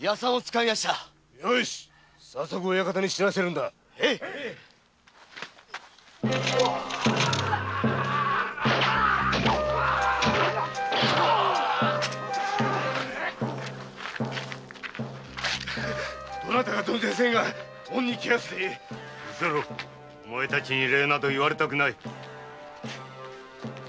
うせろお前らに礼など言われたくない。